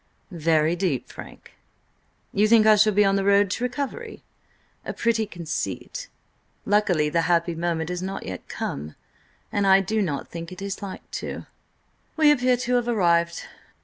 "Very deep, Frank! You think I shall be on the road to recovery? A pretty conceit. Luckily, the happy moment has not yet come–and I do not think it is like to. We appear to have arrived."